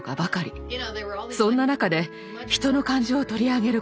そんな中で人の感情を取り上げる